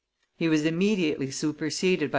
He was immediately superseded by M.